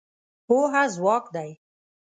پوهه ځواک دی.